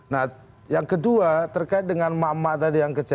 nah yang kedua terkait dengan mak mak tadi yang kecewa